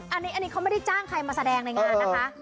อันนี้เขาไม่ได้จ้างใครมาแสดงในงานนะคะ